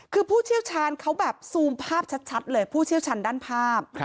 คือผู้เชี่ยวชาญเขาแบบซูมภาพชัดเลยผู้เชี่ยวชาญด้านภาพ